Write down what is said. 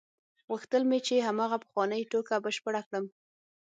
غوښتل مې چې هماغه پخوانۍ ټوکه بشپړه کړم.